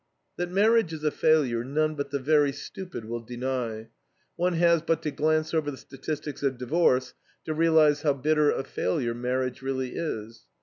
That marriage is a failure none but the very stupid will deny. One has but to glance over the statistics of divorce to realize how bitter a failure marriage really is.